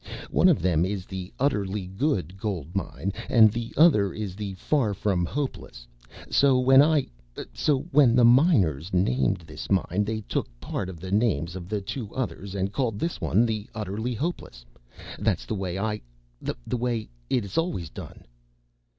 One of them is the Utterly Good Gold Mine, and the other is the Far From Hopeless. So when I so when the miners named this mine they took part of the names of the two others and called this one the Utterly Hopeless. That's the way I the way it is always done."